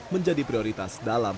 menjadi prioritas dalam